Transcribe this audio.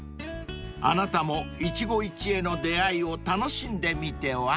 ［あなたも一期一会の出合いを楽しんでみては？］